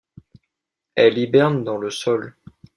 Elle hiberne dans le sol.